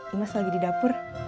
imas lagi di dapur